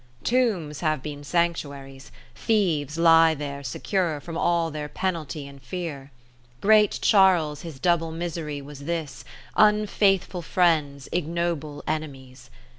Tombs have been sanctuaries ; Thieves lie there Secure from all their penalty and fear. Great Charles his double misery was this, Unfaithful friends, ignoble enemies.